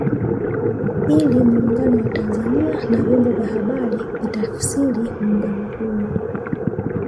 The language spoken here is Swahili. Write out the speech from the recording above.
Ili Muungano wa Tanzania na vyombo vya habari vilitafsiri muungano huo